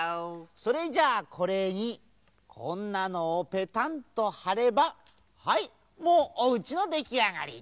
それじゃあこれにこんなのをぺたんとはればはいもうおうちのできあがり。